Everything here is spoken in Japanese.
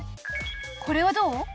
これはどう？